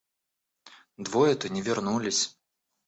Двое-то не вернулись.